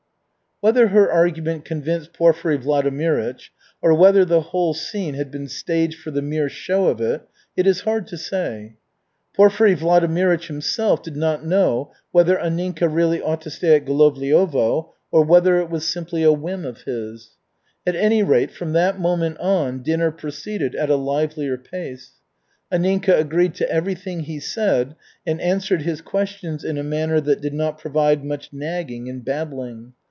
Whether her argument convinced Porfiry Vladimirych or whether the whole scene had been staged for the mere show of it, it is hard to say. Porfiry Vladimirych himself did not know whether Anninka really ought to stay at Golovliovo or whether it was simply a whim of his. At any rate, from that moment on dinner proceeded at a livelier pace. Anninka agreed to everything he said and answered his questions in a manner that did not provoke much nagging and babbling.